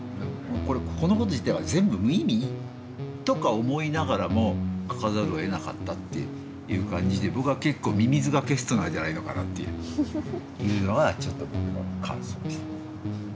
このこと自体は全部無意味？とか思いながらも書かざるをえなかったっていう感じで僕は結構ミミズがケストナーじゃないのかなっていうのはちょっと僕の感想でしたね。